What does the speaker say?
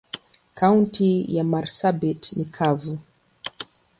Kaunti ya marsabit ni kavu.